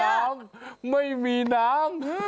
ห้องน้ำไม่มีน้ำ